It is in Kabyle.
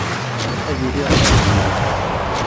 Ad iliɣ da.